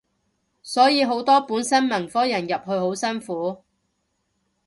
所以好多本身文科人入去好辛苦